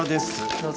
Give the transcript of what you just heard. どうぞ。